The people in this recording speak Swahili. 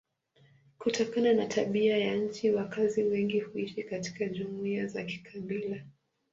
Kutokana na tabia ya nchi wakazi wengi huishi katika jumuiya za kikabila.